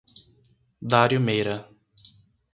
Dário Meira